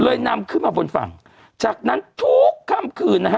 นำขึ้นมาบนฝั่งจากนั้นทุกค่ำคืนนะฮะ